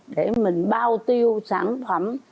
để mình bao tiêu sản phẩm